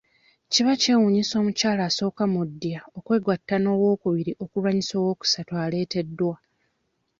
Kiba kyewuunyisa omukyala asooka mu ddya okwegatta n'owookubiri okulwanyisa owookusatu aleeteddwa.